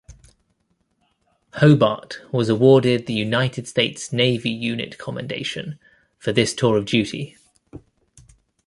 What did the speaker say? "Hobart" was awarded the United States Navy Unit Commendation for this tour of duty.